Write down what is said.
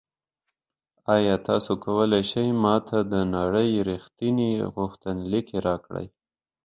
ایا تاسو کولی شئ ما ته د نړۍ ریښتیني غوښتنلیک راکړئ؟